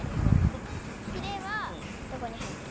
ヒレはどこに生えてる？